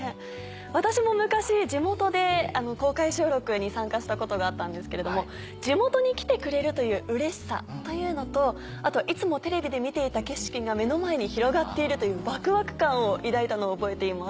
私も昔地元で公開収録に参加したことがあったんですけれども地元に来てくれるといううれしさというのとあとはいつもテレビで見ていた景色が目の前に広がっているというワクワク感を抱いたのを覚えています。